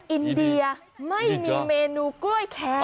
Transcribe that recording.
อินเดียไม่มีเมนูกล้วยแคร์